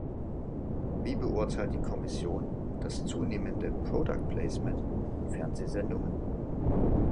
Wie beurteilt die Kommission das zunehmende "product placement" in Fernsehsendungen?